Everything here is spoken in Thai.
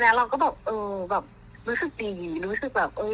รู้สึกดีรู้สึกแบบ